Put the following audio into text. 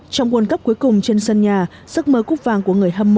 trong quần cấp cuối cùng trên sân nhà giấc mơ cúc vàng của người hâm mộ